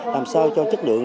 làm sao cho chất lượng